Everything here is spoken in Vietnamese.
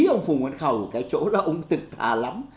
ông phùng văn khầu cái chỗ đó ông tự thà lắm